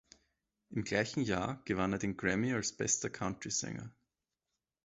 Im gleichen Jahr gewann er den Grammy als bester Country-Sänger.